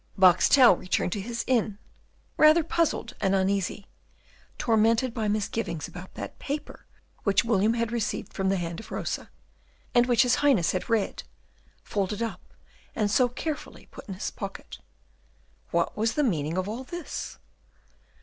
Boxtel returned to his inn, rather puzzled and uneasy, tormented by misgivings about that paper which William had received from the hand of Rosa, and which his Highness had read, folded up, and so carefully put in his pocket. What was the meaning of all this?